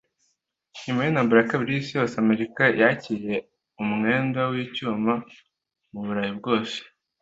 nyuma y’intambara ya kabiri y'isi yose, amerika yakiriye 'umwenda w'icyuma' mu burayi bwose